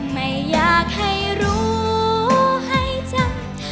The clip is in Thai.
ไม่อยากให้รู้ให้จำเธอ